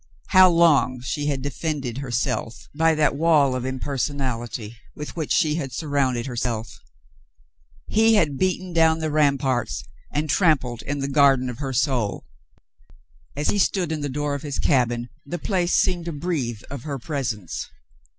How long she had defended herself by that wall of impersonality w^ith which she had surrounded herself ! He had beaten down the ramparts and trampled in the garden of her soul. As he stood in the door of his cabin, the place seemed to breathe of her presence.